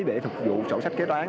để phục vụ sổ sách kế toán